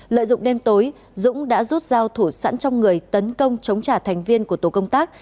lợi dụng đêm tối dũng đã rút dao thủ sẵn trong người tấn công chống trả thành viên của tổ công tác